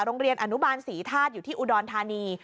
โรงเรียนอนุบาลศรีธาตุอยู่ที่อุดรธานี